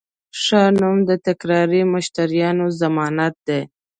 ښه نوم د تکراري مشتریانو ضمانت دی.